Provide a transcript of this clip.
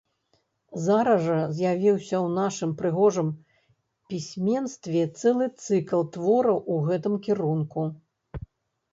Зараз жа з'явіўся ў нашым прыгожым пісьменстве цэлы цыкл твораў у гэтым кірунку.